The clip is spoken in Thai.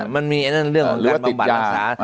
มันมีเรื่องของการบำบัดรักษา